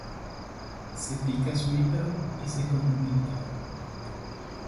Se pica su hígado y se condimenta.